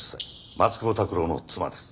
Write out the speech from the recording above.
松久保拓郎の妻です。